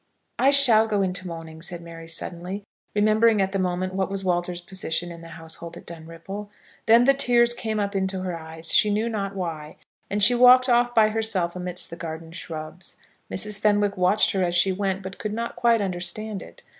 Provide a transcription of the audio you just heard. "I shall go into mourning," said Mary, suddenly, remembering at the moment what was Walter's position in the household at Dunripple. Then the tears came up into her eyes, she knew not why; and she walked off by herself amidst the garden shrubs. Mrs. Fenwick watched her as she went, but could not quite understand it.